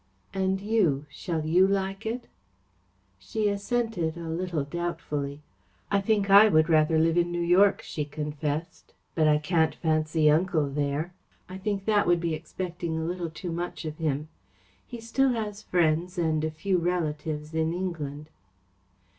"And you? Shall you like it?" She assented a little doubtfully. "I think I would rather live in New York," she confessed, "but I can't fancy Uncle there. I think that would be expecting a little too much of him. He still has friends and a few relatives in England."